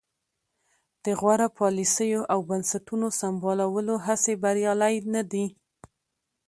د غوره پالیسیو او بنسټونو سمبالولو هڅې بریالۍ نه دي.